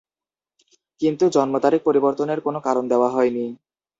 কিন্তু, জন্মতারিখ পরিবর্তনের কোনো কারণ দেওয়া হয়নি।